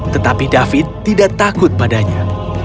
tetapi david tidak takut padanya